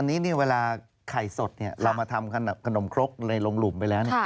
อันนี้เวลาไข่สดเรามาทำขนมครกในโรงหลุมไปแล้ว